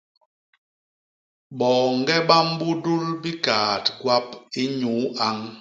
Boñge ba mbudul bikaat gwap inyuu añ.